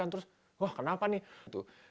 terus wah kenapa nih